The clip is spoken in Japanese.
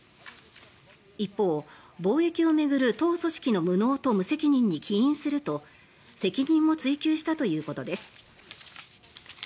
一方、防疫を巡る党組織の無能と無責任に起因すると責任も追及したということです。